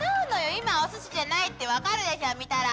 今おすしじゃないって分かるでしょ見たら！